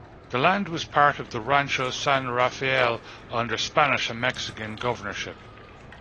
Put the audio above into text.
The land was part of the Rancho San Rafael under Spanish and Mexican governorship.